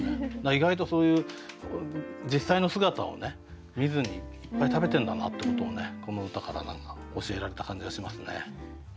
意外とそういう実際の姿を見ずにいっぱい食べてるんだなってことをこの歌から何か教えられた感じがしますね。